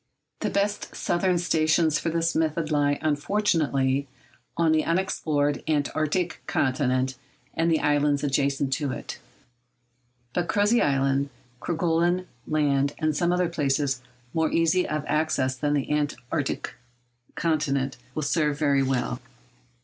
The best southern stations for this method lie unfortunately on the unexplored Antarctic continent and the islands adjacent to it; but Crozet Island, Kerguelen Land, and some other places more easy of access than the Antarctic continent, will serve very well.